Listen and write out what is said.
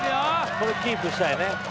これキープしたいね。